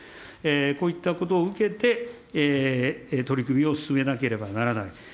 こういったことを受けて、取り組みを進めなければならない。